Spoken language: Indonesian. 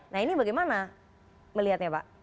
nah ini bagaimana melihatnya pak